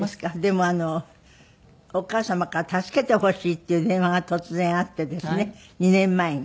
でもお母様から「助けてほしい」っていう電話が突然あってですね２年前に。